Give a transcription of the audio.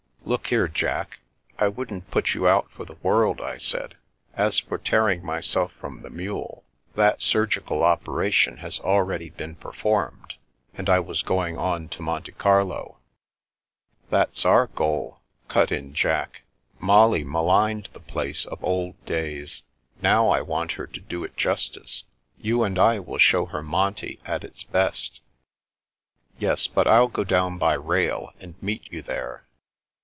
«" Look here, Jack; I wouldn't put you out for the world/' I said. " As for tearing myself from the mule, that surgical operation has already been per formed, and I was going on to Monte Carlo——" " That's our goal," cut in Jack. " Molly maligned the place of old days. Now I want her to do it justice. You and I will show her Monte at its best." " Yes, but I'll go down by rail, and meet you there."